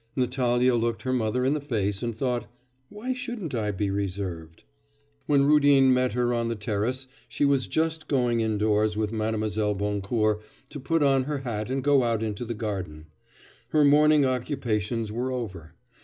Natalya looked her mother in the face and thought, 'Why shouldn't I be reserved?' When Rudin met her on the terrace she was just going indoors with Mlle. Boncourt to put on her hat and go out into the garden. Her morning occupations were over.